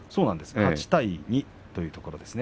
８対２というところですね